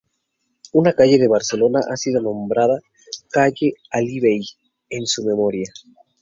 Una calle de Barcelona ha sido nombrada calle Ali Bei en su memoria.